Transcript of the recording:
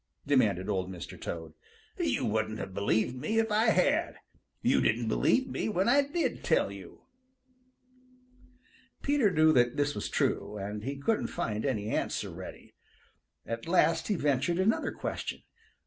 demanded Old Mr. Toad. "You wouldn't have believed me if I had. You didn't believe me when I did tell you." Peter knew that this was true, and he couldn't find any answer ready. At last he ventured another question.